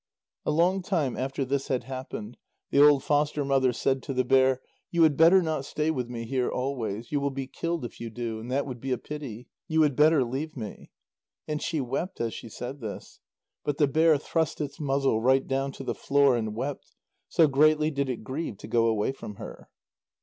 A long time after this had happened, the old foster mother said to the bear: "You had better not stay with me here always; you will be killed if you do, and that would be a pity. You had better leave me." And she wept as she said this. But the bear thrust its muzzle right down to the floor and wept, so greatly did it grieve to go away from her.